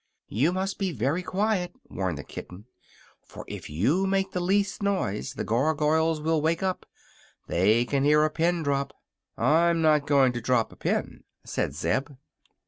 "You must be very quiet," warned the kitten; "for if you make the least noise the Gargoyles will wake up. They can hear a pin drop." "I'm not going to drop a pin," said Zeb.